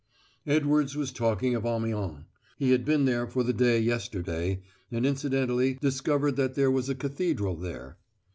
Edwards was talking of Amiens: he had been there for the day yesterday, and incidentally discovered that there was a cathedral there.